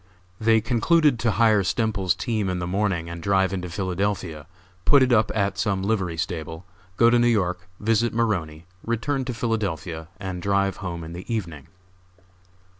They concluded to hire Stemples's team in the morning and drive into Philadelphia, put it up at some livery stable, go to New York, visit Maroney, return to Philadelphia, and drive home in the evening.